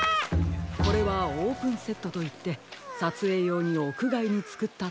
これはオープンセットといってさつえいようにおくがいにつくったたてものです。